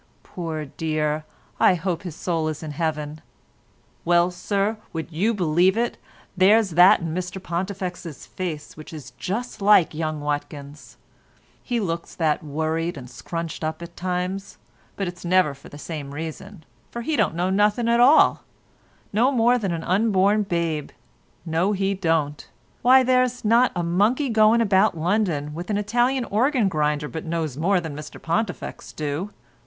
Poor dear, I hope his soul is in Heaven. Well Sir, would you believe it, there's that in Mr Pontifex's face which is just like young Watkins; he looks that worrited and scrunched up at times, but it's never for the same reason, for he don't know nothing at all, no more than a unborn babe, no he don't; why there's not a monkey going about London with an Italian organ grinder but knows more than Mr Pontifex do.